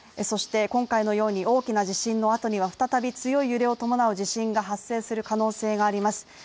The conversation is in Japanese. そして今回のように大きな地震の後には再び強い揺れを伴う地震が発生する可能性があります。